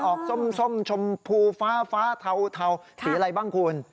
ส้มชมพูฟ้าเทาสีอะไรบ้างคุณ